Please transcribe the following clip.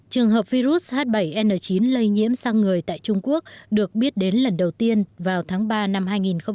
trường hợp virus h bảy n chín lây nhiễm sang người tại trung quốc được biết đến lần đầu tiên vào tháng ba năm hai nghìn hai mươi